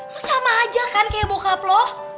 lo sama aja kan kayak bokap lo